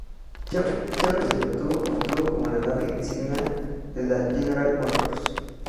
Chevrolet siempre se mantuvo como la nave insignia de la General Motors.